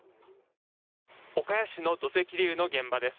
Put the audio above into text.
岡谷市の土石流の現場です。